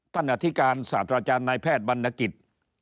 อธิการศาสตราจารย์นายแพทย์บรรณกิจ